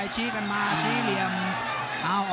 ชี้พูดให้ชี้มา